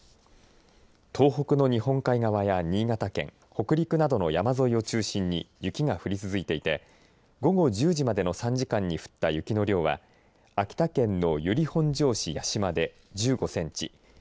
東北の日本海側や新潟県北陸などの山沿いを中心に雪が降り続いていて午後１０時までの３時間に降った雪の量は秋田県の由利本荘市矢島で１５センチ